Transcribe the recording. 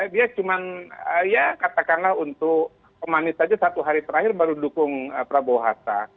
dia cuma ya katakanlah untuk pemanis saja satu hari terakhir baru dukung prabowo hatta